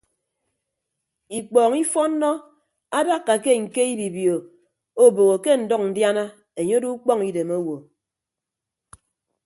Ikpọọñ ifọnnọ adakka ke ñke ibibio obogho ke ndʌñ ndiana enye odo ukpọñ idem owo.